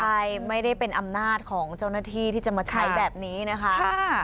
ใช่ไม่ได้เป็นอำนาจของเจ้าหน้าที่ที่จะมาใช้แบบนี้นะคะ